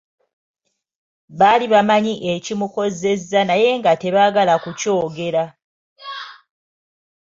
Baali bamanyi ekimukozeza naye nga tebaagala kukyogera.